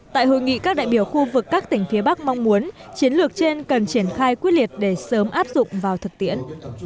tại hội nghị các đại biểu khu vực các tỉnh phía bắc mong muốn chiến lược trên cần triển khai quyết liệt để sớm áp dụng vào thực tiễn